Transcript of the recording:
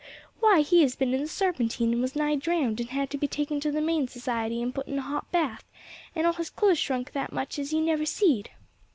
"Why, he has been in the Serpentine, and was nigh drowned, and had to be taken to the 'Mane Society and put into a hot bath, and all his clothes shrunk that much as you never seed."